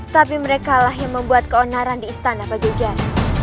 tapi mereka lah yang membuat keonaran di istana pagajar